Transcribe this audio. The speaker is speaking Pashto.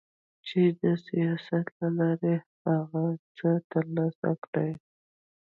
چي د سياست له لارې هغه څه ترلاسه کړي